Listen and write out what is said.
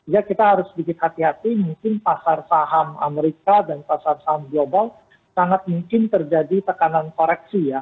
jadi kita harus sedikit hati hati mungkin pasar saham amerika dan pasar saham global sangat mungkin terjadi tekanan koreksi ya